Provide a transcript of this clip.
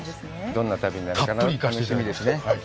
どんな旅なのか、楽しみですね。